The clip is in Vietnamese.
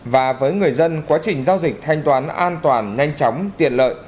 và với người dân quá trình giao dịch thanh toán an toàn nhanh chóng tiện lợi